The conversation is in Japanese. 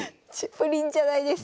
プリンじゃないです。